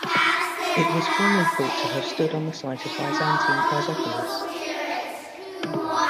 It was formerly thought to have stood on the site of Byzantine Chrysopolis.